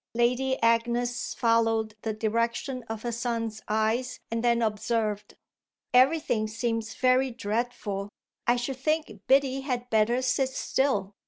Lady Agnes followed the direction of her son's eyes and then observed: "Everything seems very dreadful. I should think Biddy had better sit still.